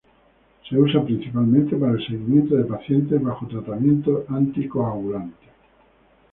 Se usa principalmente para el seguimiento de pacientes bajo tratamiento anticoagulante.